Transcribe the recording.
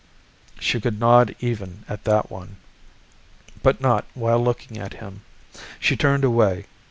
She could nod even at that one, but not while looking at him. She turned away.